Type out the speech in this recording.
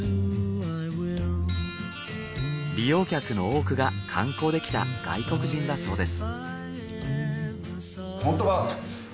利用客の多くが観光で来た外国人だそうです。